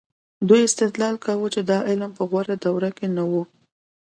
دوی استدلال کاوه چې دا علم په غوره دوره کې نه و.